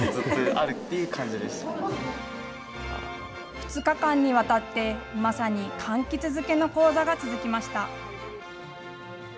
２日間にわたって、まさにかんきつ漬けの講座が続きました。